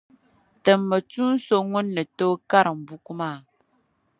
Timmi tuun’ so ŋun ni tooi karim buku maa.